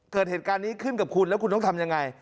เกิดเหตุการณ์นี้ขึ้นกับคุณแล้วคุณต้องทำยังไง